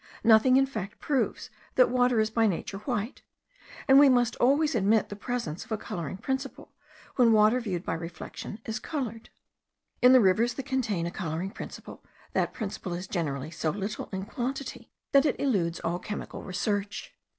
Nothing, in fact, proves, that water is by nature white; and we must always admit the presence of a colouring principle, when water viewed by reflection is coloured. In the rivers that contain a colouring principle, that principle is generally so little in quantity, that it eludes all chemical research.